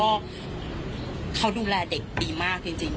ก็เขาดูแลเด็กดีมากจริง